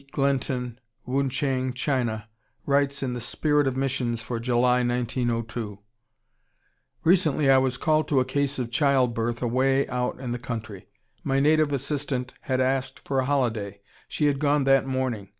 Glenton, Wuchang, China, writes in the Spirit of Missions for July, 1902: Recently I was called to a case of childbirth away out in the country. My native assistant had asked for a holiday; she had gone that morning.